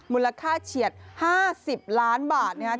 มูลค่าเฉียด๕๐ล้านบาทนะครับ